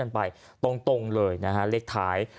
นิแหละ